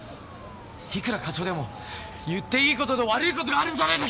いくら課長でも言っていい事と悪い事があるんじゃないですか！？